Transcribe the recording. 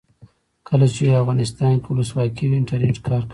کله چې افغانستان کې ولسواکي وي انټرنیټ کار کوي.